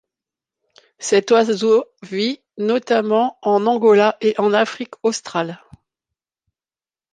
Cet oiseau vit notamment en Angola et en Afrique australe.